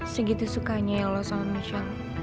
segitu sukanya ya lo sama nisha